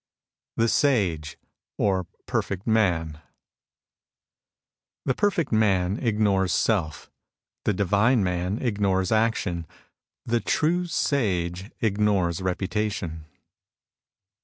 " THE SAGE, OR PERFECT MAN The perfect man ignores self ; the divine man ignores action ; the true Sage ignores reputation.